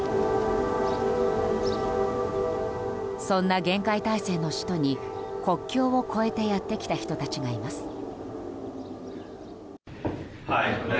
そんな厳戒態勢の首都に国境を越えてやってきた人たちがいます。